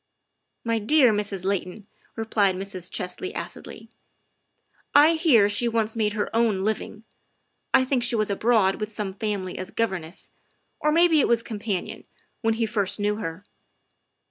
'' My dear Mrs. Layton, '' replied Mrs. Chesley acidly, " I hear she once made her own living. I think she was abroad with some family as governess, or maybe it was companion, when he first knew her."